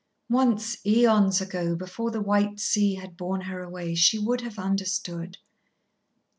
Once, aeons ago, before the white sea had borne her away, she would have understood.